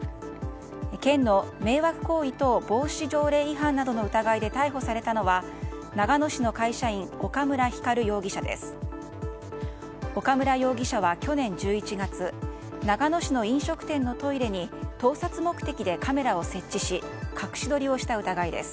県の迷惑行為等防止条例違反の疑いで逮捕されたのは長野市の会社員岡村光容疑者です。